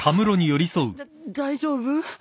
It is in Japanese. だ大丈夫？